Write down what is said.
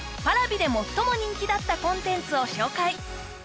Ｐａｒａｖｉで最も人気だったコンテンツを紹介